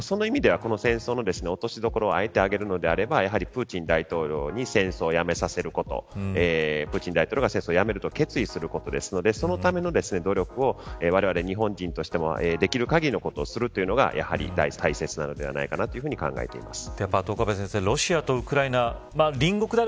その意味では、この戦争の落としどころをあえて挙げるのであればプーチン大統領に戦争をやめさせることプーチン大統領が戦争をやめると決意することですのでそのための努力をわれわれ日本人としてはできる限りのことをするというのが、やはり大切なのではないかなと考えています。